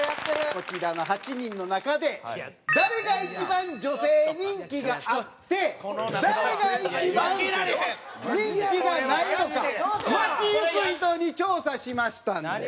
こちらの８人の中で誰が一番女性人気があって誰が一番人気がないのか街行く人に調査しましたんで。